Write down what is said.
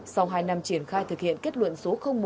sau hai năm triển khai thực hiện kết luận số một